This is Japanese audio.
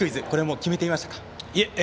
これは決めていましたか。